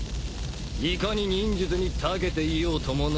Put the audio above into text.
いかに忍術にたけていようともな。